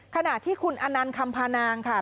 ขณะที่คุณอนันต์คำพานางค่ะ